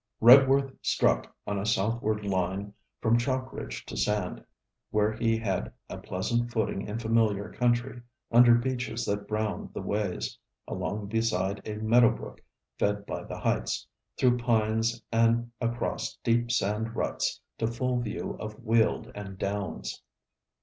Redworth struck on a southward line from chalk ridge to sand, where he had a pleasant footing in familiar country, under beeches that browned the ways, along beside a meadowbrook fed by the heights, through pines and across deep sand ruts to full view of weald and Downs.